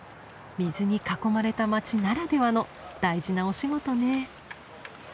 水に囲まれた街ならではの大事なお仕事ね。